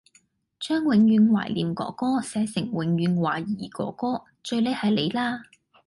將「永遠懷念哥哥」寫成「永遠懷疑哥哥」最叻係你啦